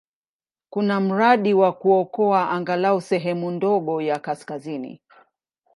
Kuna mradi wa kuokoa angalau sehemu ndogo ya kaskazini.